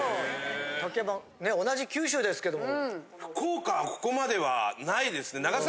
竹山同じ九州ですけども。